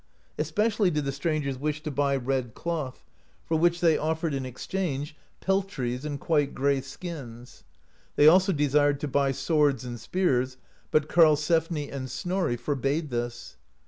Especially did the strangers wish to buy red cloth, for which they offered in exchange peltries and quite grey skins. They also desired to buy swords and spears, but Karlsefni and Snorri forbade this.